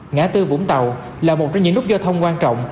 ngã tư vũng tàu là một trong những nút giao thông quan trọng